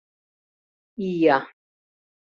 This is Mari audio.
Ия...